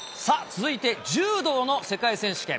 続いて、柔道の世界選手権。